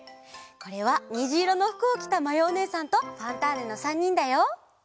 これはにじいろのふくをきたまやおねえさんと「ファンターネ！」の３にんだよ。